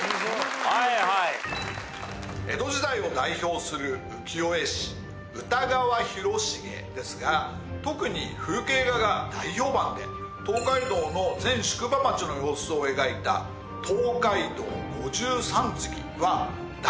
江戸時代を代表する浮世絵師歌川広重ですが特に風景画が大評判で東海道の全宿場町の様子を描いた『東海道五十三次』は大ヒットしました。